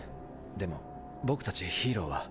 でも僕たちヒーローは。